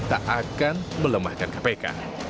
tak akan melemahkan kpk